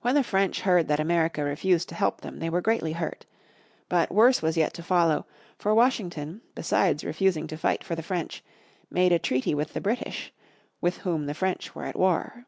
When the French heard that America refused to help them, they were greatly hurt. But worse was yet to follow, for Washington, besides refusing to fight for the French, made a treaty with the British, with whom the French were at war.